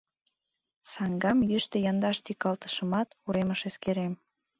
Саҥгам йӱштӧ яндаш тӱкалтышымат, уремыш эскерем.